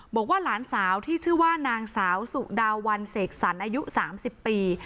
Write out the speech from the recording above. บอกว่าหลานสาวที่ชื่อว่านางสาวสุดาวันเสกสรรอายุ๓๐ปี